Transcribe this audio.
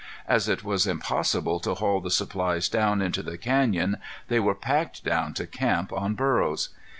As it was impossible to haul the supplies down into the canyon they were packed down to camp on burros.